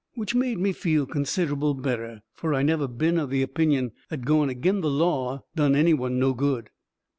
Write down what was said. Which made me feel considerable better, fur I never been of the opinion that going agin the law done any one no good.